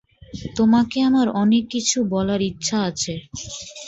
তোমাকে আমার অনেক কিছু বলার ইচ্ছে আছে।